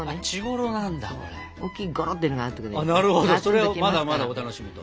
それはまだまだお楽しみと。